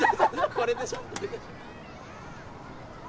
これでしょ？